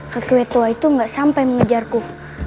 kekuat tua itu gak sampai mengejarku